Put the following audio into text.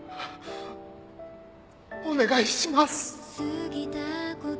お願いします！